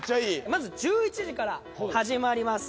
まず１１時から始まります。